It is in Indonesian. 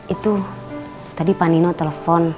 itu tadi panino telepon